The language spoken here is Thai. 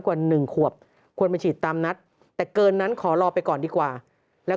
กว่า๑ขวบควรมาฉีดตามนัดแต่เกินนั้นขอรอไปก่อนดีกว่าแล้ว